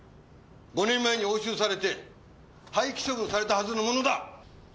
５年前に押収されて廃棄処分されたはずのものだ。